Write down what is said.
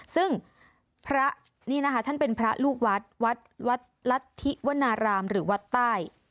ซึ่งพระนี่นะคะท่านเป็นพระลูกวัดวัดรัฐธิวนารามหรือวัดใต้